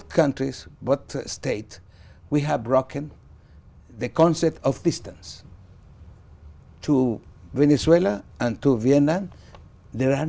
có những câu hỏi cho vị trí của venezuela đến việt nam không